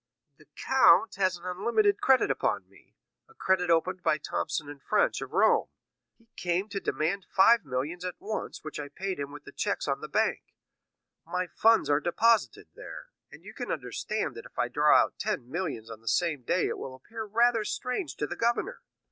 "The count has an unlimited credit upon me; a credit opened by Thomson & French, of Rome; he came to demand five millions at once, which I paid him with checks on the bank. My funds are deposited there, and you can understand that if I draw out ten millions on the same day it will appear rather strange to the governor.